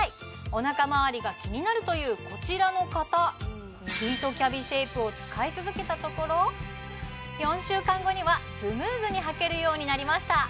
おなかまわりが気になるというこちらの方ヒートキャビシェイプを使い続けたところ４週間後にはスムーズにはけるようになりました